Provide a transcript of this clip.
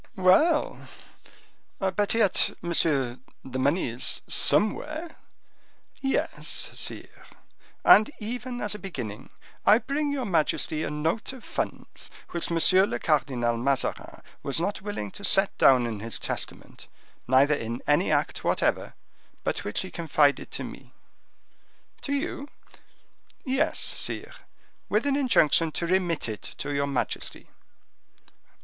"Well, but yet, monsieur, the money is somewhere?" "Yes, sire, and even as a beginning, I bring your majesty a note of funds which M. le Cardinal Mazarin was not willing to set down in his testament, neither in any act whatever, but which he confided to me." "To you?" "Yes, sire, with an injunction to remit it to your majesty."